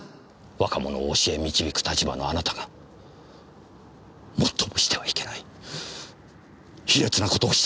若者を教え導く立場のあなたが最もしてはいけない卑劣なことをしたんです！